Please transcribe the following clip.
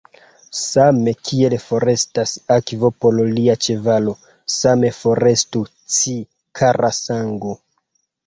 Same kiel forestas akvo por lia ĉevalo, same forestu ci, kara sango!